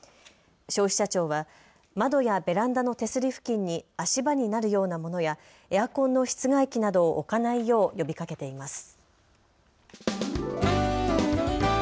消費者庁は窓やベランダの手すり付近に足場になるようなものや、エアコンの室外機などを置かないよう呼びかけています。